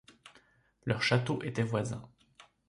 Leur château était voisin.